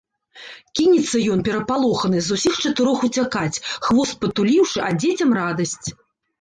Кінецца ён, перапалоханы, з усіх чатырох уцякаць, хвост падтуліўшы, а дзецям радасць.